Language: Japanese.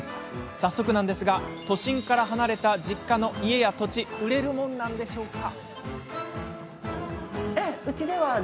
早速なんですが都心から離れた実家の家や土地売れるもんなんでしょうか？